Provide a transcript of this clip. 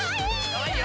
かわいい。